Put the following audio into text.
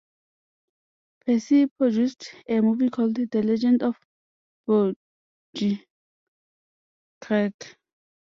Pierce produced a movie called "The Legend of Boggy Creek".